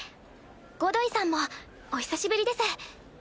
ゴドイさんもお久しぶりです。